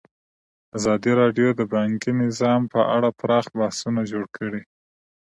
ازادي راډیو د بانکي نظام په اړه پراخ بحثونه جوړ کړي.